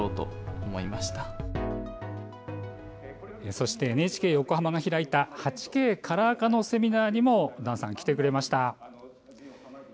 そしてＮＨＫ横浜が開いた８Ｋカラー化のセミナーにも段さんは来てくれました。